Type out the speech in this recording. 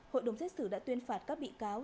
hội đồng xét xử đã tuyên phạt các bị cáo